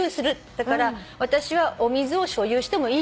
だから私はお水を所有してもいいですか？